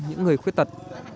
những người khuyết tật